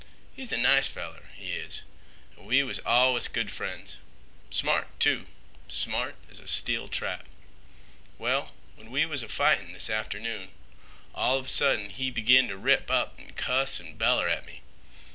He's a nice feller, he is, an' we was allus good friends. Smart, too. Smart as a steel trap. Well, when we was a fightin' this atternoon, all of a sudden he begin t' rip up an' cuss an' beller at me.